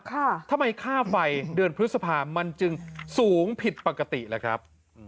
ทำไมค่าไฟเดือนพฤษภามันจึงสูงผิดปกติล่ะครับ